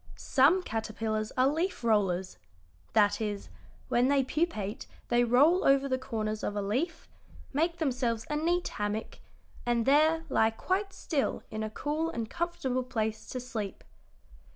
"Some caterpillars are leaf rollers that is, when they pupate they roll over the corners of a leaf, make themselves a neat hammock, and there lie quite still in a cool and comfortable place to sleep."